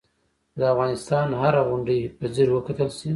که د افغانستان هره غونډۍ په ځیر وکتل شي.